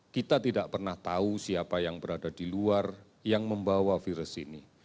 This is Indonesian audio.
kita tidak pernah tahu siapa yang berada di luar yang membawa virus ini